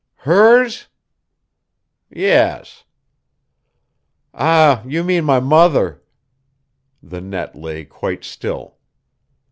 "Hers?" "Yes." "Ah! you mean my mother." The net lay quite still.